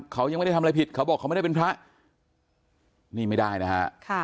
เขายังไม่ได้ทำอะไรผิดเขาบอกเขาไม่ได้เป็นพระนี่ไม่ได้นะฮะ